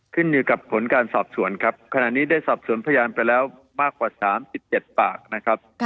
ขึ้นอยู่กับผลการสอบสวนครับขณะนี้ได้สอบสวนพยานไปแล้วมากกว่า๓๗ปากนะครับ